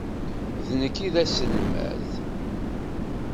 D nekk ay d aselmad.